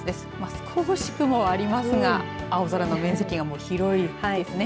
少し雲ありますが青空の面積が広い範囲ですね。